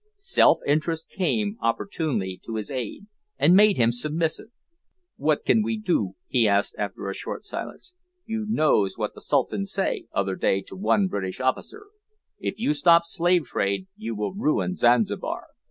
Self interest came opportunely to his aid, and made him submissive. "What can we do?" he asked after a short silence. "You knows what the Sultan say, other day, to one British officer, `If you stop slave trade you will ruin Zanzibar.'